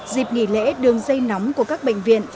dịp nghỉ lễ đường dây nóng của các bệnh viện